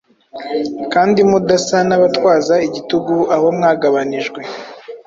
kandi mudasa n’abatwaza igitugu abo mwagabanijwe,